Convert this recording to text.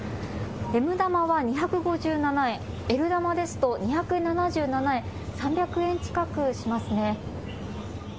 Ｍ玉は２５７円、Ｌ玉ですと２７７円、３００円近くしますね。